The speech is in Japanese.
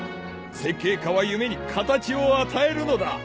設計家は夢に形を与えるのだ。